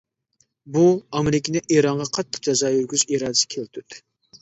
بۇ، ئامېرىكىنى ئىرانغا قاتتىق جازا يۈرگۈزۈش ئىرادىسىگە كەلتۈردى.